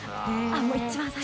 一番最初？